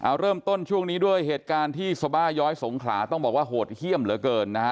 เอาเริ่มต้นช่วงนี้ด้วยเหตุการณ์ที่สบาย้อยสงขลาต้องบอกว่าโหดเยี่ยมเหลือเกินนะฮะ